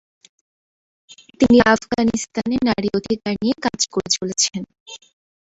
তিনি আফগানিস্তানে নারী অধিকার নিয়ে কাজ করে চলেছেন।